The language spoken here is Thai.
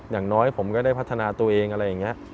อย่างน้อยผมก็ได้พัฒนาตัวเองอะไรอย่างนี้